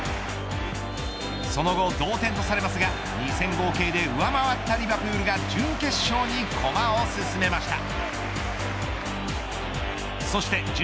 その後、同点とされますが２戦合計で上回ったリヴァプールが準決勝に駒を進めました。